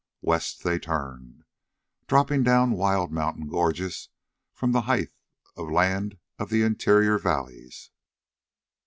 West they turned, dropping down wild mountain gorges from the height of land of the interior valleys.